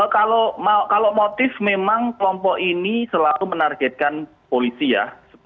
kalau motif memang kelompok ini selalu menargetkan polisi ya